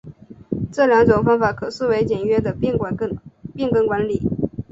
这两种方法可视为简约的变更管理。